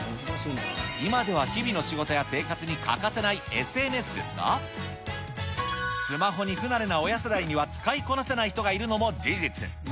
今では日々の仕事や生活に欠かせないＳＮＳですが、スマホに不慣れな親世代には使いこなせない人がいるのも事実。